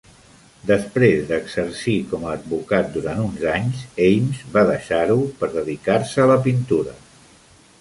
Després d'exercir com a advocat durant uns anys, Ames va deixar-ho per dedicar-se a la pintura.